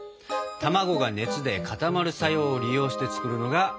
卵が熱で固まる作用を利用して作るのがプリンだ。